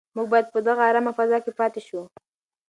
موږ باید په دغه ارامه فضا کې پاتې شو.